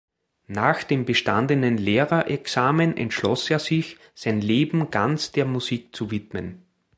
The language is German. Nach dem bestandenen Lehrerexamen entschloss er sich, sein Leben ganz der Musik zu widmen.